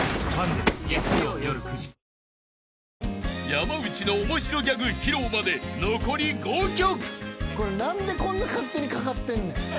［山内の面白ギャグ披露まで残り５曲］